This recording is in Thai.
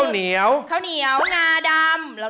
สวัสดีค่ะ